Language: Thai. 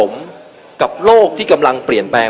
ไม่ว่าจะเป็นท่าน